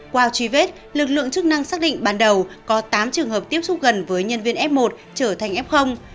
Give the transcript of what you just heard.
qua truy vết lực lượng chức năng xác định ban đầu có tám trường hợp tiếp xúc gần với nhân viên f một trở thành f